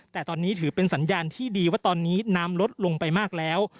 แต่ตอนนี้ถือเป็นสัญญาณที่ดีว่าตอนนี้น้ำลดลงไปมากแล้ว